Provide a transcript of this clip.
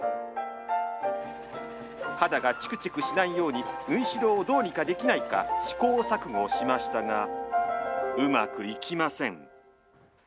肌がちくちくしないように縫い代をどうにかできないか試行錯誤しましたがうまくいきません。